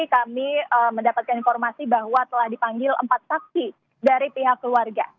kami mendapatkan informasi bahwa telah dipanggil empat saksi dari pihak keluarga